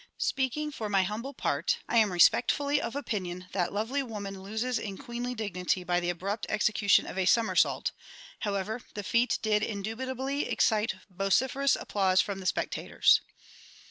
Speaking for my humble part, I am respectfully of opinion that lovely woman loses in queenly dignity by the abrupt execution of a somersault; however, the feat did indubitably excite vociferous applause from the spectators.